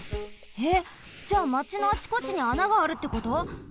えっじゃあまちのあちこちにあながあるってこと！？